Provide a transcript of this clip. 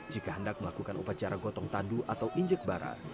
jika hendak melakukan upacara gotong tandu atau injek barat